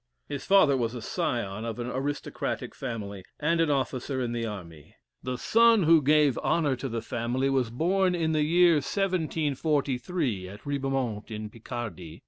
His father was a scion of an aristocratic family, and an officer in the army. The son who gave honor to the family, was born in the year 1743, at Ribemont, in Picardy.